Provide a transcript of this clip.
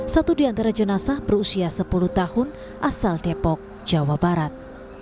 satu di antara jenazah berusia sepuluh tahun asal depok jawa barat